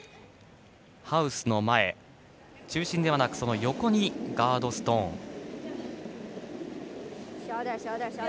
ハウスの前、中心ではなくその横にガードストーン。